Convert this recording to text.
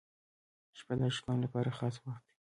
• شپه د عاشقانو لپاره خاص وخت دی.